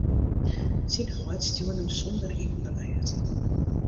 Syn heit stjoerde him sûnder iten op bêd.